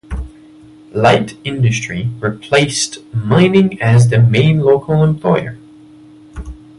Light industry replaced mining as the main local employer.